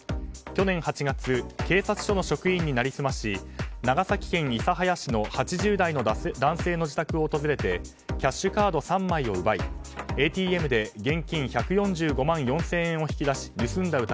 去年８月警察署の職員に成り済まし長崎県諫早市の８０代の男性の自宅を訪れてキャッシュカード３枚を奪いＡＴＭで現金１４５万４０００円を引き出し盗んだ